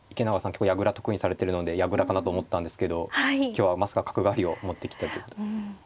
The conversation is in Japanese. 結構矢倉得意にされてるので矢倉かなと思ったんですけど今日はまさか角換わりを持ってきたということで。